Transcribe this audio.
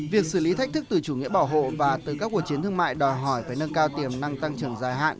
việc xử lý thách thức từ chủ nghĩa bảo hộ và từ các cuộc chiến thương mại đòi hỏi phải nâng cao tiềm năng tăng trưởng dài hạn